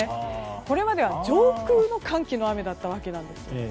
これまでは上空の寒気の雨だったわけです。